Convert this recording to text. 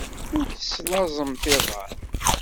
Ur teslaẓemt iḍan.